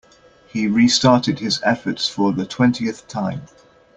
He restarted his efforts for the twentieth time.